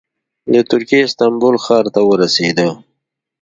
د ترکیې استانبول ښار ته ورسېده.